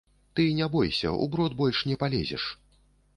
Ты не бойся, у брод больш не палезеш.